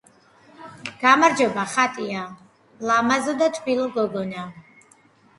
გამარჯობა, ხატია, ლამაზო და თბილო გოგონა.